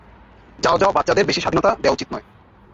যাও যাও বাচ্চাদের বেশি স্বাধীনতা দেয়া উচিত নয়।